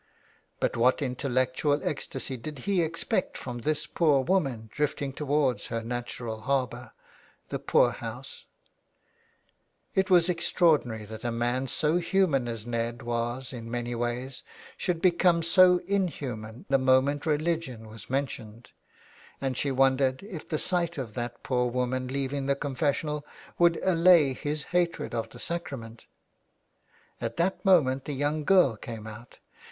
But what intellectual ecstasy did he expect from this poor woman drifting towards her natural harbour — the poor house ? It was extraordinary that a man so human as Ned was in many ways should become so inhuman the moment religion was mentioned, and she wondered if the sight of that poor woman leaving the confes sional would allay his hatred of the sacrament. At that moment the young girl came out.